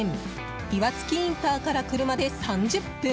岩槻インターから車で３０分。